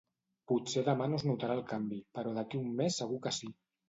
Potser demà no es notarà el canvi, però d'aquí un mes segur que sí.